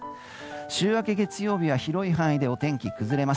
週明け月曜日は広い範囲でお天気崩れます。